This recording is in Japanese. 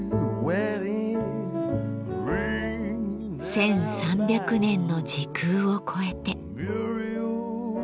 １，３００年の時空を超えて。